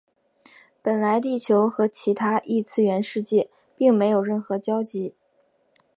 本来地球和其他异次元世界并没有任何交集。